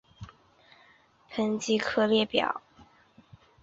喷射客机列表收录已正式交付到客户的民用喷气式客机。